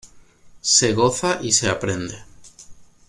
Se goza y se aprende.